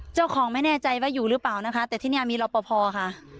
เจ้าของไม่แน่ใจว่าอยู่หรือเปล่านะคะแต่ที่นี่มีรอปภค่ะ